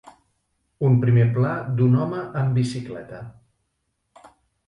Un primer pla d'un home en bicicleta.